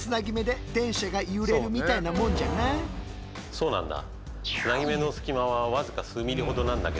そうなんだ。